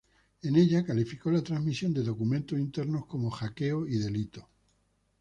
En ella, calificó la transmisión de documentos internos como hackeo y delito.